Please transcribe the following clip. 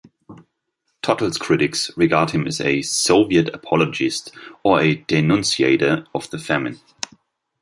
Tottle's critics regard him as a "Soviet apologist", or a "denunciator" of the famine.